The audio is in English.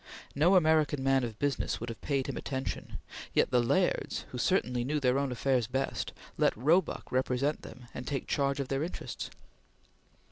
No American man of business would have paid him attention; yet. the Lairds, who certainly knew their own affairs best, let Roebuck represent them and take charge of their interests.